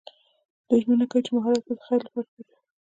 دوی ژمنه کوي چې مهارت به د خیر لپاره کاروي.